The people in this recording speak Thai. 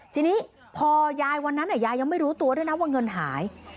ทีนี้พอยายวันนั้นยายยังไม่รู้ตัวด้วยนะว่าเงินหาย